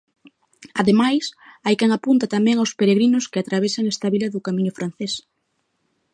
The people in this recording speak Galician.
Ademais, hai quen apunta tamén aos peregrinos que atravesan esta vila do camiño francés.